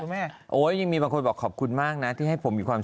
มันอยู่ในรถบ้านทุกว่า